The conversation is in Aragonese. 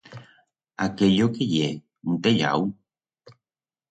Aquello qué ye, un tellau?